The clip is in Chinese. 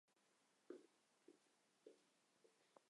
他们也是加里曼丹达雅克人的分支。